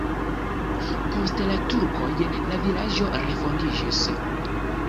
Post la turkoj la vilaĝo refondiĝis.